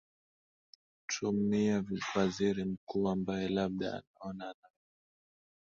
tumia waziri mkuu ambaye labda anaona anaweza